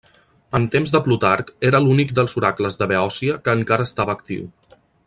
En temps de Plutarc era l'únic dels oracles de Beòcia que encara estava actiu.